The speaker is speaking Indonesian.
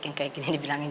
yang agel banget